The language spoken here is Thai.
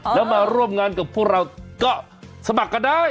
แล้วมาร่วมงานกับพวกเราก็สมัครกันได้